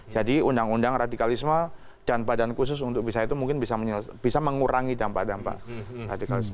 jadi undang undang radikalisme dan badan khusus untuk bisa itu mungkin bisa mengurangi dampak dampak radikalisme